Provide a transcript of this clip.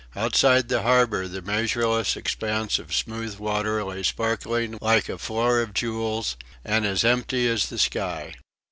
Outside the harbour the measureless expanse of smooth water lay sparkling like a floor of jewels, and as empty as the sky.